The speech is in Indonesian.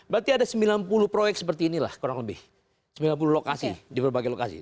berarti ada sembilan puluh proyek seperti inilah kurang lebih sembilan puluh lokasi di berbagai lokasi